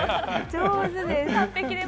上手です。